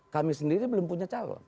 kami sendiri belum punya calon